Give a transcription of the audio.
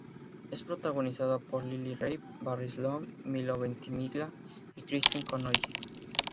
Es protagonizada por Lily Rabe, Barry Sloane, Milo Ventimiglia y Kristen Connolly.